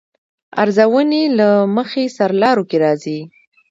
ارزونې له مخې سرلارو کې راځي.